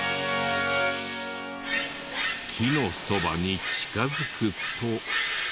木のそばに近づくと。